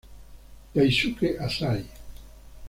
Daisuke Asahi